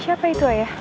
siapa itu ayah